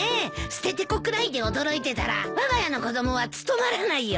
ステテコくらいで驚いてたらわが家の子供は務まらないよ。